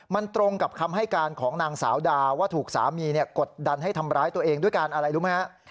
มันตรงกับคำให้การของนางสาวดาว่าถูกสามีกดดันให้ทำร้ายตัวเองด้วยการอะไรรู้ไหมฮะ